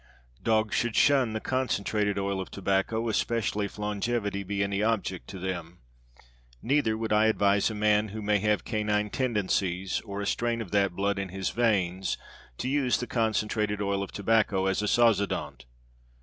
Dogs should shun the concentrated oil of tobacco, especially if longevity be any object to them. Neither would I advise a man who may have canine tendencies or a strain of that blood in his veins to use the concentrated oil of tobacco as a sozodont.